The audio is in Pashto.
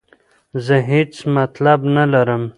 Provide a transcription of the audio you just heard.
زه هیڅ مطلب نه لرم.